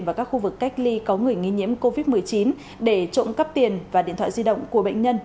và các khu vực cách ly có người nghi nhiễm covid một mươi chín để trộm cắp tiền và điện thoại di động của bệnh nhân